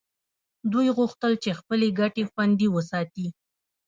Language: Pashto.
دوی غوښتل چې خپلې ګټې خوندي وساتي